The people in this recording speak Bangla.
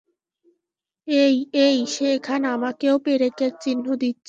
এই এই, সে এখন আমাকেও, পেরেকের চিহ্ন দিচ্ছে।